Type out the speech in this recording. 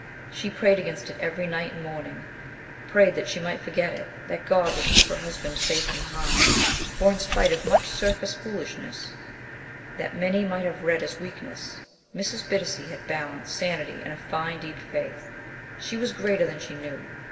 She prayed against it every night and morning: prayed that she might forget it that God would keep her husband safe from harm. For in spite of much surface foolishness that many might have read as weakness. Mrs. Bittacy had balance, sanity, and a fine deep faith. She was greater than she knew.